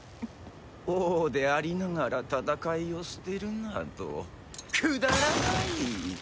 王でありながら戦いを捨てるなどくだらない！